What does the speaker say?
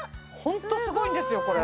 ホントすごいんですよ